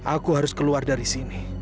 aku harus keluar dari sini